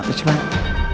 yuk siap pak